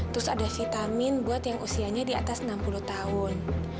terus ada vitamin buat yang usianya di atas enam puluh tahun